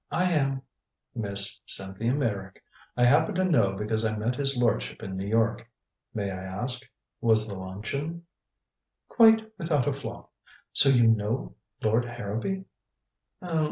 I am " "Miss Cynthia Meyrick. I happen to know because I met his lordship in New York. May I ask was the luncheon " "Quite without a flaw. So you know Lord Harrowby?"